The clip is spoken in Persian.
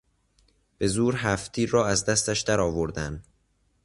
به زور هفتتیر را از دستش درآوردن